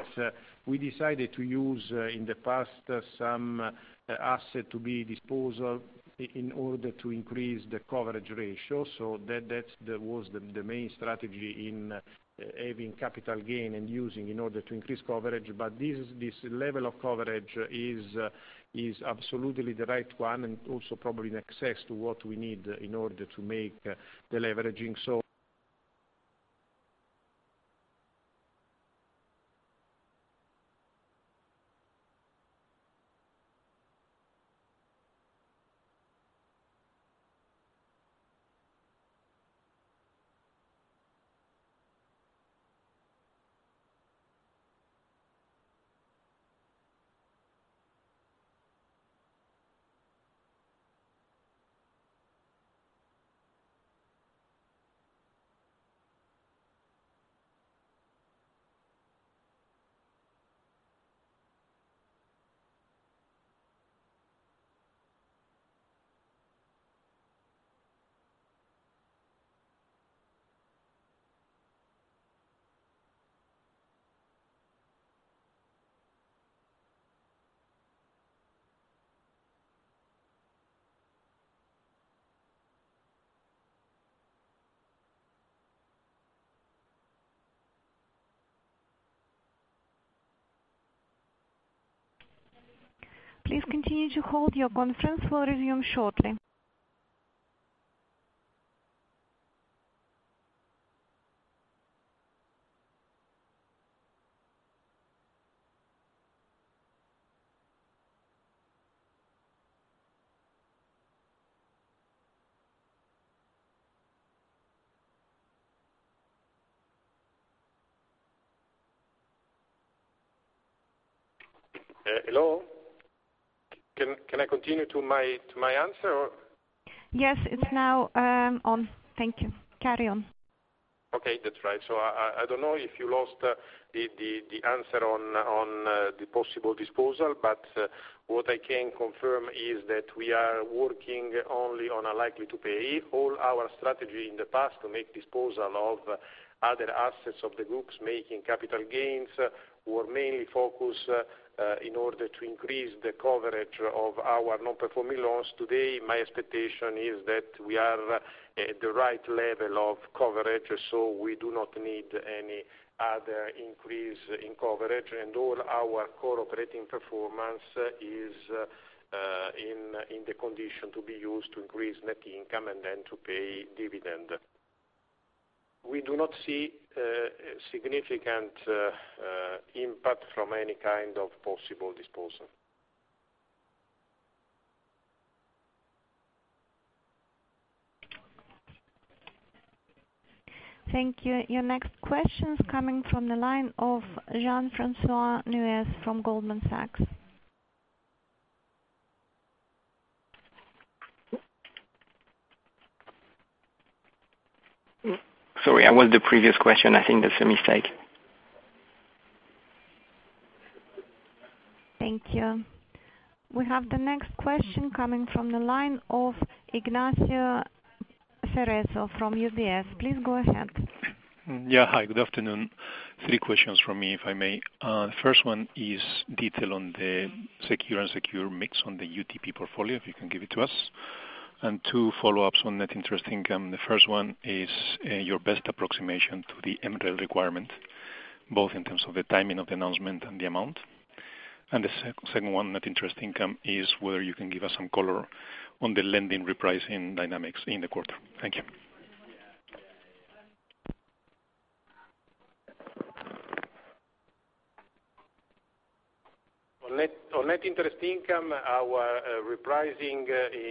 we decided to use, in the past, some asset to be disposal in order to increase the coverage ratio. That was the main strategy in having capital gain and using in order to increase coverage. This level of coverage is absolutely the right one, and also probably in excess to what we need in order to make the leveraging. Please continue to hold. Your conference will resume shortly. Hello. Can I continue to my answer or? Yes, it's now on. Thank you. Carry on. Okay. That's right. I don't know if you lost the answer on the possible disposal, what I can confirm is that we are working only on a likely to pay. All our strategy in the past to make disposal of other assets of the groups making capital gains, were mainly focused in order to increase the coverage of our non-performing loans. Today, my expectation is that we are at the right level of coverage, we do not need any other increase in coverage, all our core operating performance is in the condition to be used to increase net income and then to pay dividend. We do not see a significant impact from any kind of possible disposal. Thank you. Your next question is coming from the line of Jean-Francois Neuez from Goldman Sachs. Sorry, I was the previous question. I think that's a mistake. Thank you. We have the next question coming from the line of Ignacio Cerezo from UBS. Please go ahead. Yeah. Hi, good afternoon. Three questions from me, if I may. The first one is detail on the secure and secure mix on the UTP portfolio, if you can give it to us. Two follow-ups on net interest income. The first one is your best approximation to the MREL requirement, both in terms of the timing of the announcement and the amount. The second one, net interest income, is whether you can give us some color on the lending repricing dynamics in the quarter. Thank you. On net interest income, our repricing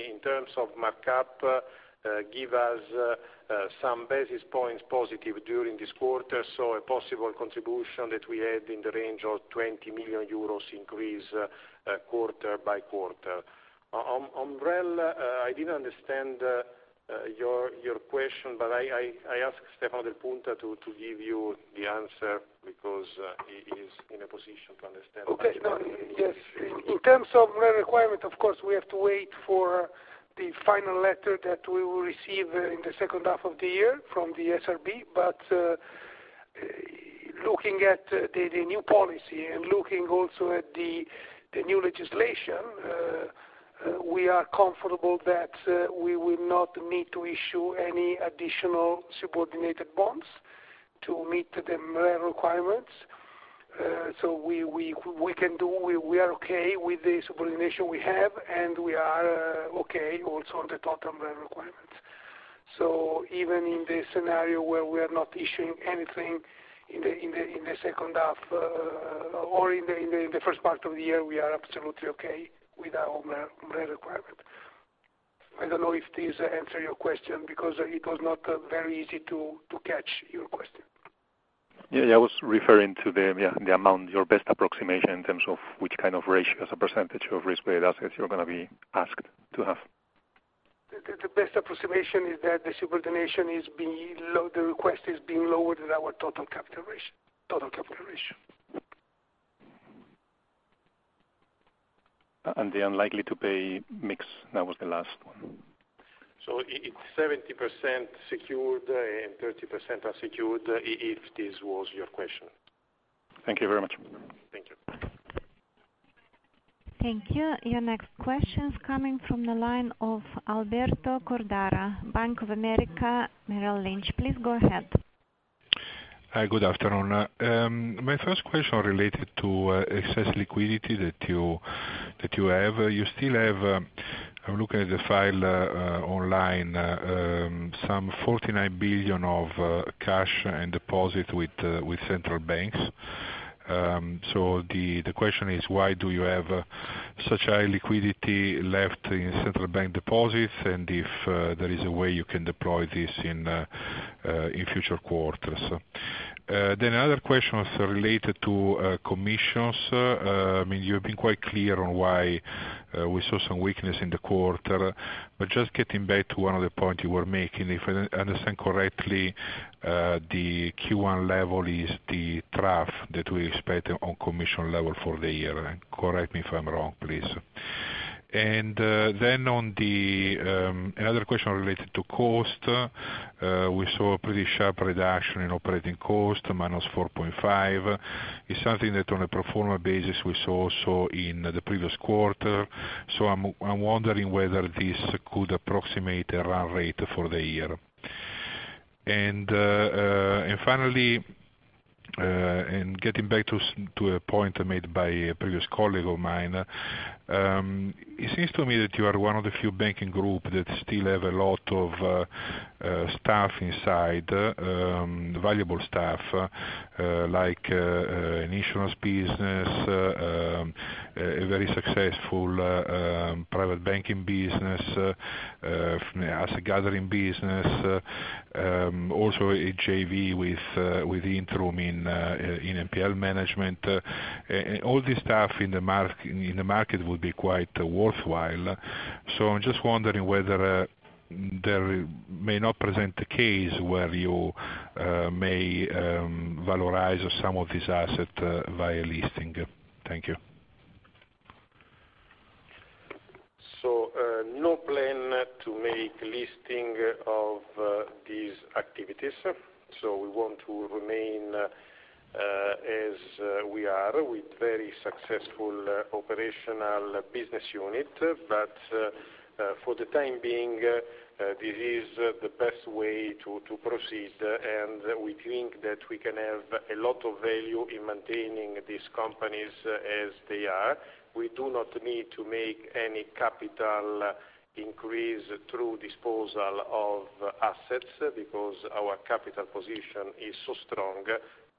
in terms of markup give us some basis points positive during this quarter. A possible contribution that we had in the range of 20 million euros increase quarter by quarter. On MREL, I didn't understand your question, I ask Stefano Del Punta to give you the answer because he is in a position to understand- Okay. Yes. In terms of MREL requirement, of course, we have to wait for the final letter that we will receive in the second half of the year from the SRB. Looking at the new policy and looking also at the new legislation, we are comfortable that we will not need to issue any additional subordinated bonds to meet the MREL requirements. We are okay with the subordination we have, and we are okay also on the total MREL requirements. Even in the scenario where we are not issuing anything in the second half or in the first part of the year, we are absolutely okay with our MREL requirement. I don't know if this answer your question because it was not very easy to catch your question. Yeah. I was referring to the amount, your best approximation in terms of which kind of ratio as a percentage of risk-weighted asset you're going to be asked to have. The best approximation is that the subordination, the request is being lower than our total capital ratio. The unlikely to pay mix, that was the last one. It's 70% secured and 30% unsecured, if this was your question. Thank you very much. Thank you. Thank you. Your next question is coming from the line of Alberto Cordara, Bank of America, Merrill Lynch. Please go ahead. Hi, good afternoon. My first question related to excess liquidity that you have. You still have, I'm looking at the file online, some 49 billion of cash and deposit with central banks. The question is, why do you have such high liquidity left in central bank deposits and if there is a way you can deploy this in future quarters? Another question related to commissions. You've been quite clear on why we saw some weakness in the quarter, but just getting back to one of the points you were making. If I understand correctly, the Q1 level is the trough that we expect on commission level for the year. Correct me if I'm wrong, please. Another question related to cost. We saw a pretty sharp reduction in operating cost, minus 4.5%. It's something that on a pro forma basis, we saw also in the previous quarter. I'm wondering whether this could approximate a run rate for the year. Finally, getting back to a point made by a previous colleague of mine. It seems to me that you are one of the few banking group that still have a lot of staff inside, valuable staff, like an insurance business, a very successful private banking business, asset gathering business, also a JV with Intrum in NPL management. All this staff in the market would be quite worthwhile. I'm just wondering whether there may not present a case where you may valorize some of these assets via listing. Thank you. No plan to make listing of these activities. We want to remain as we are, with very successful operational business unit. For the time being, this is the best way to proceed, and we think that we can have a lot of value in maintaining these companies as they are. We do not need to make any capital increase through disposal of assets, because our capital position is so strong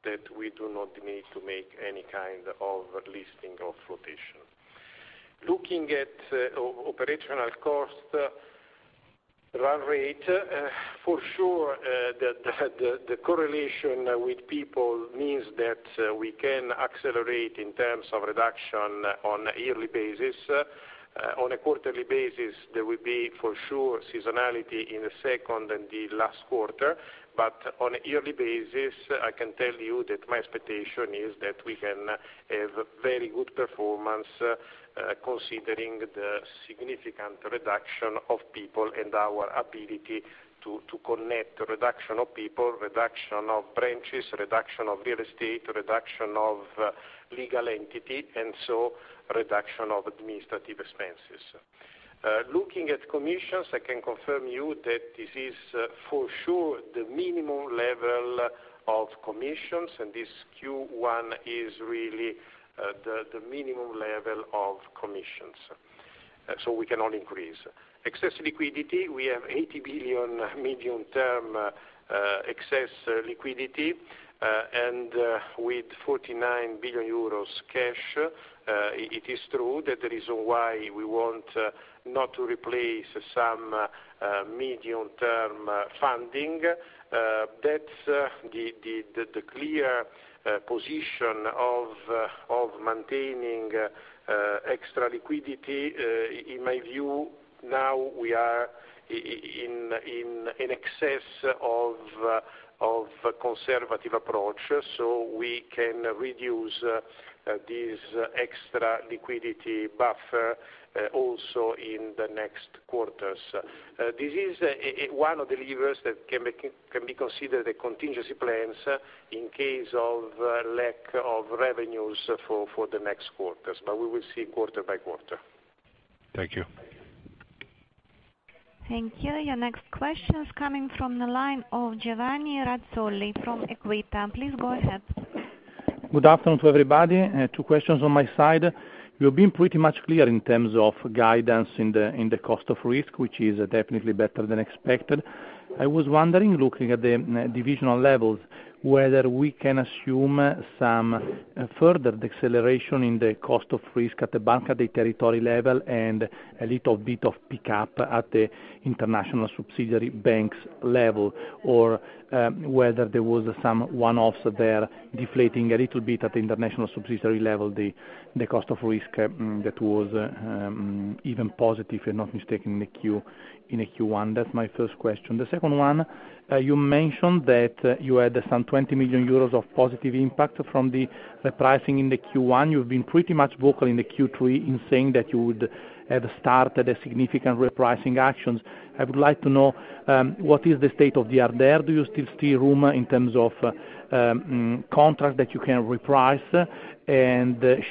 that we do not need to make any kind of listing or flotation. Looking at operational cost run rate, for sure, the correlation with people means that we can accelerate in terms of reduction on a yearly basis. On a quarterly basis, there will be, for sure, seasonality in the second and the last quarter. On a yearly basis, I can tell you that my expectation is that we can have very good performance, considering the significant reduction of people and our ability to connect reduction of people, reduction of branches, reduction of real estate, reduction of legal entity, reduction of administrative expenses. Looking at commissions, I can confirm you that this is for sure the minimum level of commissions, and this Q1 is really the minimum level of commissions. We can only increase. Excess liquidity, we have 80 billion medium-term excess liquidity, and with 49 billion euros cash, it is true that the reason why we want not to replace some medium-term funding, that's the clear position of maintaining extra liquidity. In my view, now we are in excess of conservative approach, we can reduce this extra liquidity buffer also in the next quarters. This is one of the levers that can be considered a contingency plans in case of lack of revenues for the next quarters, we will see quarter by quarter. Thank you. Thank you. Your next question is coming from the line of Giovanni Razzoli from Equita. Please go ahead. Good afternoon to everybody. Two questions on my side. You've been pretty much clear in terms of guidance in the cost of risk, which is definitely better than expected. I was wondering, looking at the divisional levels, whether we can assume some further deceleration in the cost of risk at the Banca dei Territori level and a little bit of pickup at the international subsidiary banks level, or whether there was some one-offs there deflating a little bit at the international subsidiary level, the cost of risk that was even positive, if I'm not mistaken, in the Q1. That's my first question. The second one, you mentioned that you had some 20 million euros of positive impact from the repricing in the Q1. You've been pretty much vocal in the Q3 in saying that you would have started a significant repricing actions. I would like to know what is the state of the art there.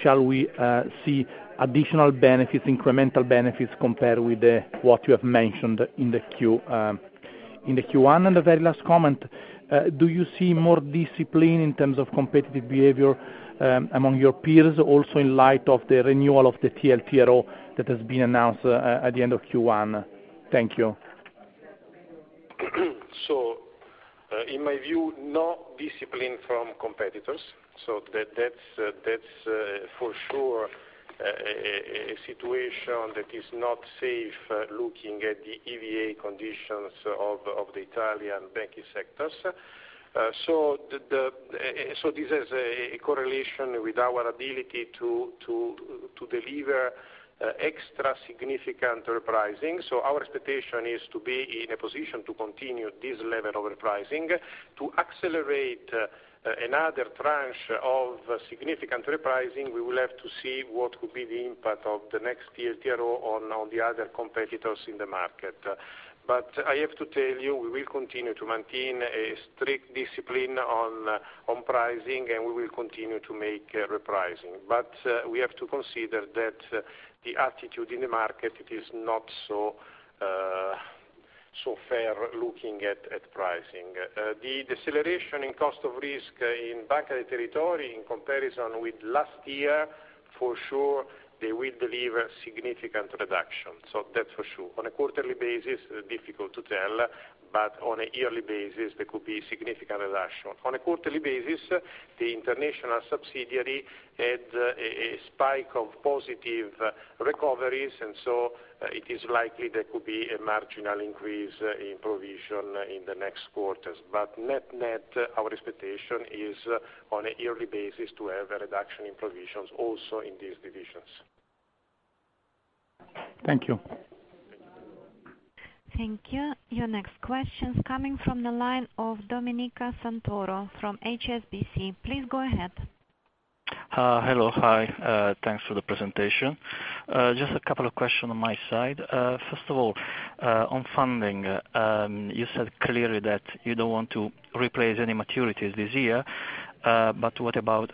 Shall we see additional benefits, incremental benefits, compared with what you have mentioned in the Q1? The very last comment, do you see more discipline in terms of competitive behavior among your peers, also in light of the renewal of the TLTRO that has been announced at the end of Q1? Thank you. In my view, no discipline from competitors. That's for sure a situation that is not safe looking at the EVA conditions of the Italian banking sectors. This has a correlation with our ability to deliver extra significant repricing. Our expectation is to be in a position to continue this level of repricing. To accelerate another tranche of significant repricing, we will have to see what will be the impact of the next TLTRO on the other competitors in the market. I have to tell you, we will continue to maintain a strict discipline on pricing, and we will continue to make repricing. We have to consider that the attitude in the market is not so fair looking at pricing. The deceleration in cost of risk in Banca dei Territori in comparison with last year, for sure, they will deliver significant reduction. That's for sure. On a quarterly basis, difficult to tell, but on a yearly basis, there could be significant reduction. On a quarterly basis, the international subsidiary had a spike of positive recoveries, and so it is likely there could be a marginal increase in provision in the next quarters. Net, our expectation is on a yearly basis to have a reduction in provisions also in these divisions. Thank you. Thank you. Your next question is coming from the line of Domenico Santoro from HSBC. Please go ahead. Hello. Hi. Thanks for the presentation. Just a couple of questions on my side. First of all, on funding, you said clearly that you don't want to replace any maturities this year. What about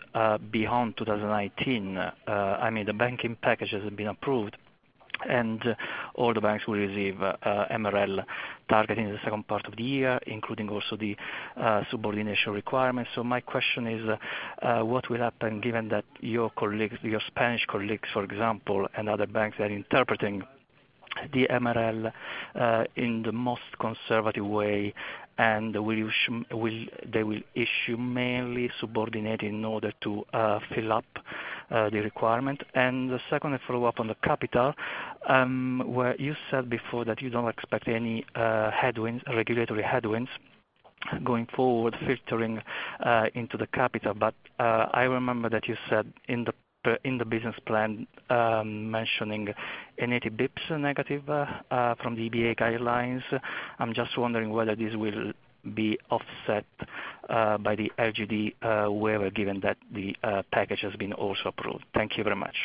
beyond 2019? The banking package has been approved. All the banks will receive MREL targeting in the second part of the year, including also the subordination requirements. My question is, what will happen given that your Spanish colleagues, for example, and other banks are interpreting the MREL in the most conservative way, and they will issue mainly subordinate in order to fill up the requirement? The second follow-up on the capital, where you said before that you don't expect any regulatory headwinds going forward filtering into the capital. I remember that you said in the business plan, mentioning 80 basis points negative from the EBA guidelines. I'm just wondering whether this will be offset by the LGD waiver, given that the package has been also approved. Thank you very much.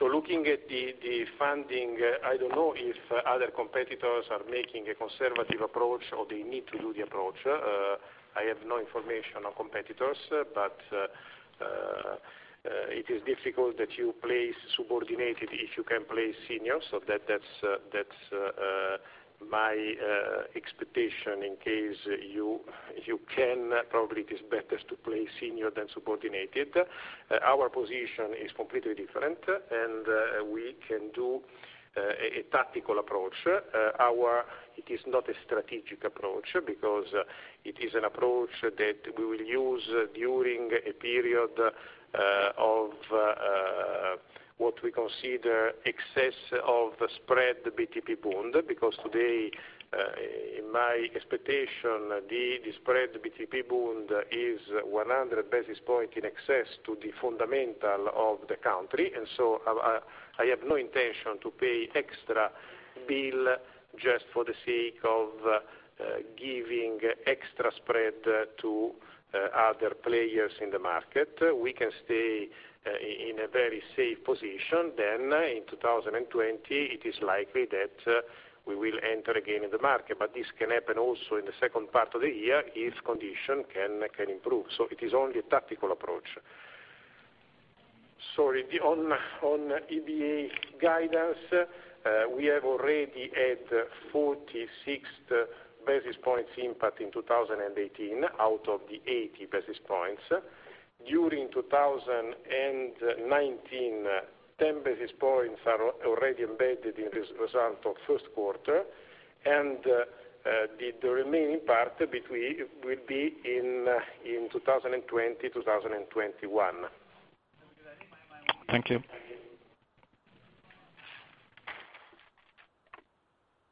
Looking at the funding, I don't know if other competitors are making a conservative approach, or they need to do the approach. I have no information on competitors. It is difficult that you place subordinated if you can place senior. That's my expectation in case you can, probably it is better to place senior than subordinated. Our position is completely different. We can do a tactical approach. It is not a strategic approach, because it is an approach that we will use during a period of what we consider excess of spread BTP Bund, because today, in my expectation, the spread BTP Bund is 100 basis points in excess to the fundamental of the country. I have no intention to pay extra bill just for the sake of giving extra spread to other players in the market. We can stay in a very safe position. In 2020, it is likely that we will enter again in the market. This can happen also in the second part of the year if condition can improve. It is only a tactical approach. On EBA guidance, we have already had 46 basis points impact in 2018 out of the 80 basis points. During 2019, 10 basis points are already embedded in this result of first quarter, and the remaining part will be in 2020, 2021. Thank you.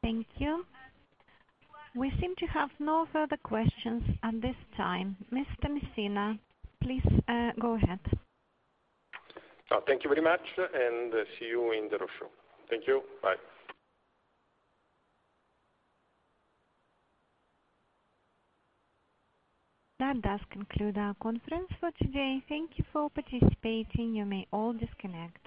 Thank you. We seem to have no further questions at this time. Mr. Messina, please go ahead. Thank you very much. See you in the roadshow. Thank you. Bye. That does conclude our conference for today. Thank you for participating. You may all disconnect.